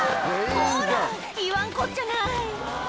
ほら言わんこっちゃない